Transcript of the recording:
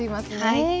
はい。